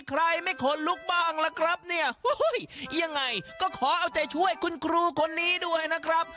ครัยไม่เขลุกบ้างละครับเนี่ยวี้อย่างไรก็ขอเอาไขช่วยคุณครูคนนี้ด้วยนะครับ